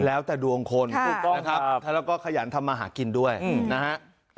แล้วแต่ดวงคนครับแล้วก็ขยันทำมาหากินด้วยอืมนะฮะ